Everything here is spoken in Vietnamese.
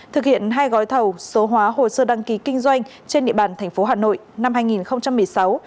thực hiện hai gói thầu số hóa hồ sơ đăng ký kinh doanh trên địa bàn thành phố hà nội năm hai nghìn một mươi sáu hai nghìn một mươi bảy